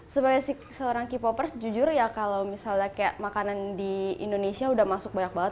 sebagai seorang k popers jujur ya kalau misalnya kayak makanan di indonesia udah masuk banyak banget